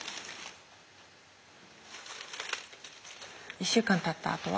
１週間たったあとは？